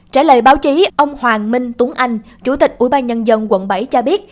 trả lời báo chí ông hoàng minh tuấn anh chủ tịch ủy ban nhân dân quận bảy cho biết